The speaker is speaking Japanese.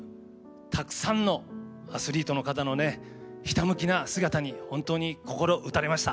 たくさんのアスリートの方のねひたむきな姿に本当に心打たれました。